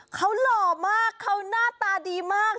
เขาหล่อมากเขาหน้าตาดีมาก